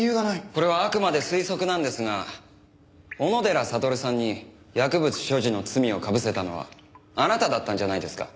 これはあくまで推測なんですが小野寺悟さんに薬物所持の罪をかぶせたのはあなただったんじゃないですか？